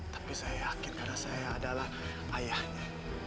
tapi saya yakin karena saya adalah ayahnya